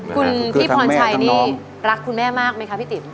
คุณพี่พรชัยนี่รักคุณแม่มากไหมคะพี่ติ๋ม